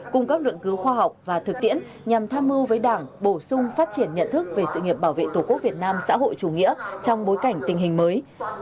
cung cấp luận cứu khoa học và thực tiễn nhằm tham mưu với đảng bổ sung phát triển nhận thức về sự nghiệp bảo vệ tổ quốc việt nam xã hội chủ nghĩa trong bối cảnh tình hình mới